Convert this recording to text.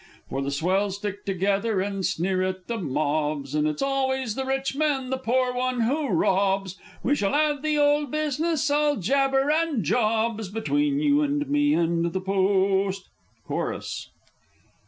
For the swells stick together, and sneer at the mobs; And it's always the rich man the poor one who robs. We shall 'ave the old business all jabber and jobs! Between you and me and the Post! (_Chorus.